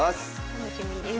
楽しみです。